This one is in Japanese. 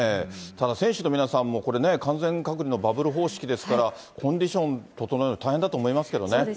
ただ、選手の皆さんも、これね、完全隔離のバブル方式ですから、コンディション整えるの大変だと思いますけれどもね。